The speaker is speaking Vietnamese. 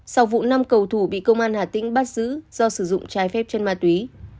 sau vụ năm cầu thủ bị công an hà tĩnh bắt giữ do sử dụng trái phép chân ma túy